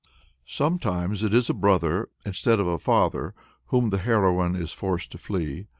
Sometimes it is a brother, instead of a father, from whom the heroine is forced to flee.